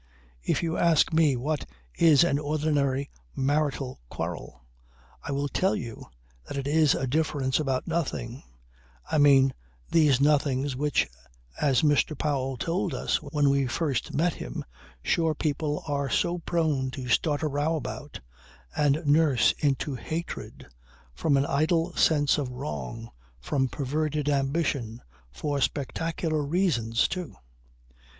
If you ask me what is an ordinary marital quarrel I will tell you, that it is a difference about nothing; I mean, these nothings which, as Mr. Powell told us when we first met him, shore people are so prone to start a row about, and nurse into hatred from an idle sense of wrong, from perverted ambition, for spectacular reasons too.